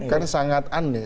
kan sangat aneh